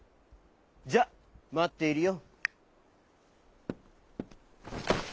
じゃあまっているよ」。